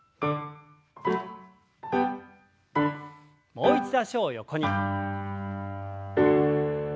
もう一度脚を横に。